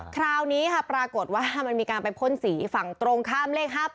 คราวนี้ค่ะปรากฏว่ามันมีการไปพ่นสีฝั่งตรงข้ามเลข๕๘